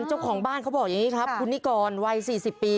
เจ้าของบ้านเขาบอกอย่างนี้ครับคุณนิกรวัย๔๐ปี